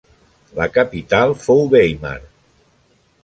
La capital fou Weimar.